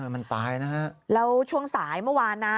มันตายนะฮะแล้วช่วงสายเมื่อวานนะ